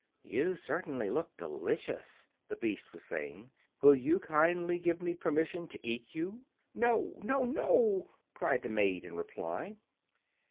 "You certainly look delicious," the beast was saying. "Will you kindly give me permission to eat you?" "No, no, no!" cried the maid in reply.